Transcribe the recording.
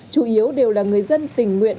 chủ yếu đều là người dân tình nguyện